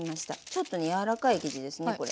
ちょっとね柔らかい生地ですね